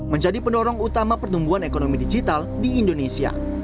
menjadi pendorong utama pertumbuhan ekonomi digital di indonesia